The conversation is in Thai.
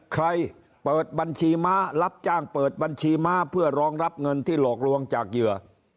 เปิดบัญชีม้ารับจ้างเปิดบัญชีม้าเพื่อรองรับเงินที่หลอกลวงจากเหยื่อ